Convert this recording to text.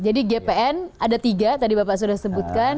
jadi gpn ada tiga tadi bapak sudah sebutkan